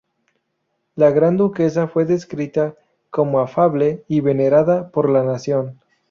La Gran Duquesa fue descrita como afable y venerada por la nación.